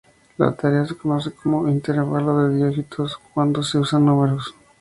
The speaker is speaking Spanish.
La tarea se conoce como "intervalo de dígitos" cuando se usan números.